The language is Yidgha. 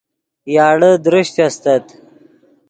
یاڑے درشچ استت